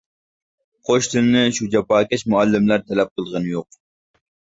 قوش تىلنى شۇ جاپاكەش مۇئەللىملەر تەلەپ قىلغىنى يۇق.